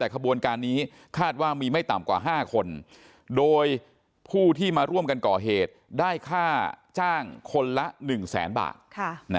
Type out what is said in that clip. ขบวนการนี้คาดว่ามีไม่ต่ำกว่า๕คนโดยผู้ที่มาร่วมกันก่อเหตุได้ค่าจ้างคนละ๑แสนบาท